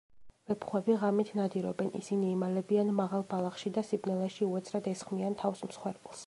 ვეფხვები ღამით ნადირობენ, ისინი იმალებიან მაღალ ბალახში და სიბნელეში უეცრად ესხმიან თავს მსხვერპლს.